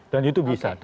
dan itu bisa